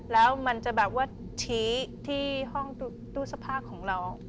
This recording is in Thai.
แล้วมันจะแบบว่าชี้ที่ห้องตู้สภาพของเรา